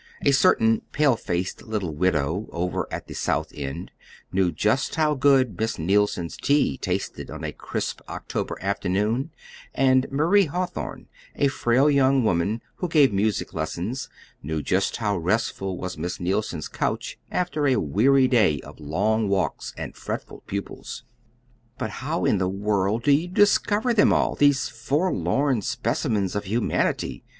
A certain pale faced little widow over at the South End knew just how good Miss Neilson's tea tasted on a crisp October afternoon and Marie Hawthorn, a frail young woman who gave music lessons, knew just how restful was Miss Neilson's couch after a weary day of long walks and fretful pupils. "But how in the world do you discover them all these forlorn specimens of humanity?"